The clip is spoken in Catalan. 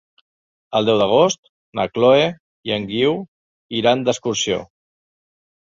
El deu d'agost na Chloé i en Guiu iran d'excursió.